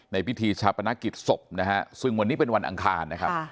พิธีชาปนกิจศพนะฮะซึ่งวันนี้เป็นวันอังคารนะครับ